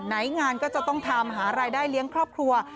งานก็จะต้องทำหารายได้เลี้ยงครอบครัว